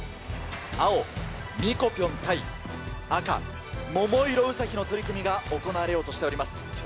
青、ミコぴょん対、赤、桃色ウサヒの取組が行われようとしております。